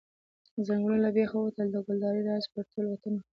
ځنګلونه له بېخه ووتل، د کلدارې راج پر ټول وطن خپور شو.